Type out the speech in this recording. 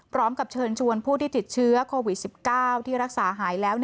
พร้อมกับเชิญชวนผู้ที่ติดเชื้อโควิด๑๙ที่รักษาหายแล้ว